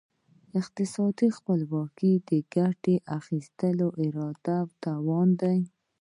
اقتصادي خپلواکي د ګټې اخیستني اراده او توان دی.